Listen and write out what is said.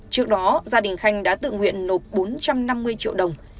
trước đó gia đình khanh đã tự nguyện nộp bốn trăm năm mươi triệu đồng